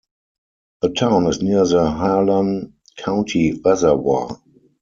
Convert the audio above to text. The town is near the Harlan County Reservoir.